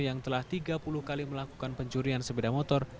yang telah tiga puluh kali melakukan pencurian sepeda motor